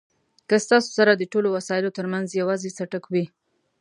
که ستاسو سره د ټولو وسایلو ترمنځ یوازې څټک وي.